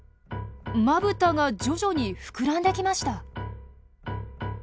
まぶたが徐々に膨らんできました。